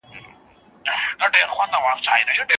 هغه د خپلواکۍ د خوندي کولو لپاره هڅې جاري وساتلې.